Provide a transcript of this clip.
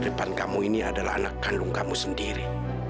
dan siapa yang nulis ini